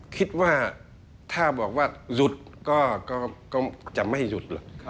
คิดว่าถ้าบอกว่าหยุดก็จะไม่หยุดหรอก